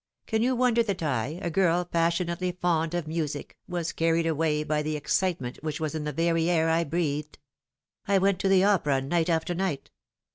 Can you wonder that I, a girl passionately fond of music, was carried away by the excitement which was in the very air I breathed ? I went to the opera night after night.